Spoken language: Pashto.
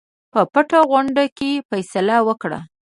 په پټه غونډه کې فیصله وکړه.